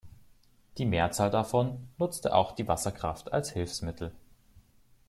Die Mehrzahl davon nutzte auch die Wasserkraft als Hilfsmittel.